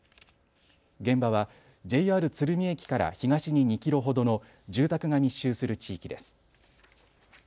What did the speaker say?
現場はＪＲ鶴見駅から東に２キロほどの住宅が密集する地域です。